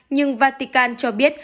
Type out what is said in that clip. nhưng vatican cho biết